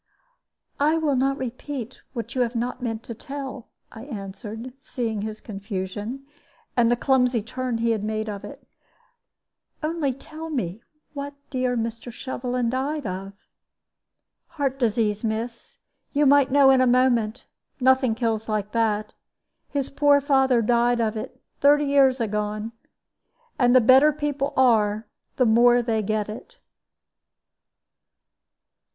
"I will not repeat what you have not meant to tell," I answered, seeing his confusion, and the clumsy turn he had made of it. "Only tell me what dear Mr. Shovelin died of." "Heart disease, miss. You might know in a moment. Nothing kills like that. His poor father died of it, thirty years agone. And the better people are, the more they get it."